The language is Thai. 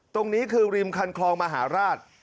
ตรงนี้คือริมคันคลองมหาราช